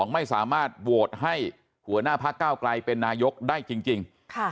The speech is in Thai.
ไม่สามารถโหวตให้หัวหน้าพักก้าวไกลเป็นนายกได้จริง